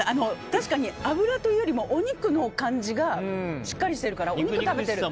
確かに脂というよりもお肉の感じがしっかりしてるから。